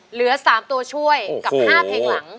เหลือ๓ตัวช่วยกับ๕เพลงหลัง